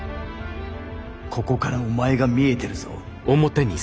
ここからお前が見えてるぞ。